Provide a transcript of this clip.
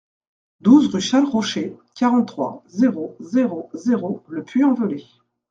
douze rue Charles Rocher, quarante-trois, zéro zéro zéro, Le Puy-en-Velay